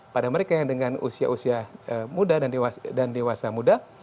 pada mereka yang dengan usia usia muda dan dewasa muda